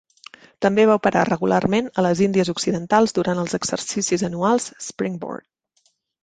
També va operar regularment a les Índies Occidentals durant els exercicis anuals "Springboard".